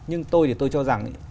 nhưng tôi thì tôi cho rằng